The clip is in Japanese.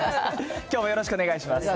きょうもよろしくお願いします。